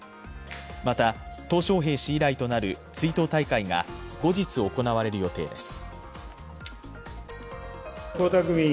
また、トウ小平氏以来となる追悼大会が後日行われる予定です。